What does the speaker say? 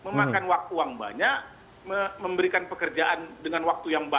memakan waktu yang banyak memberikan pekerjaan dengan waktu yang baik